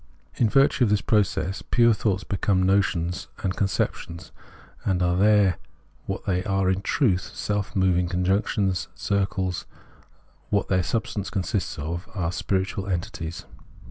In virtue of this process pure thoughts become notions and con ceptions, and are then what they are in truth, self moving functions, circles, are what their substance consists in, are spiritual entities.